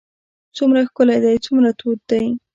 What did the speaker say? څومره ښکلی دی څومره تود دی.